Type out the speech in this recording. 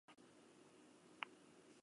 Ezin dut ulertu hori orain ateratzea.